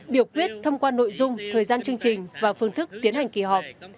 biểu quyết thông qua nội dung thời gian chương trình và phương thức tiến hành kỳ họp